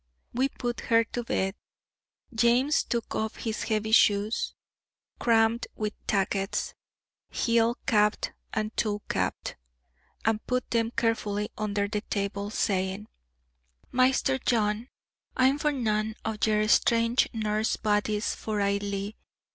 We put her to bed. James took off his heavy shoes, crammed with tackets, heel capt and toe capt, and put them carefully under the table, saying, "Maister John, I'm for nane o' yer strynge nurse bodies for Ailie.